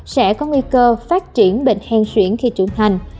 sẽ có nguy cơ phát triển bệnh hen xuyển khi trưởng thành